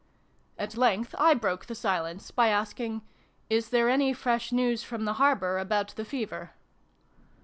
At length I broke the silence by asking " Is there any fresh news from the harbour about the Fever